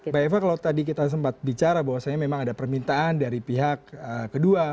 mbak eva kalau tadi kita sempat bicara bahwasannya memang ada permintaan dari pihak kedua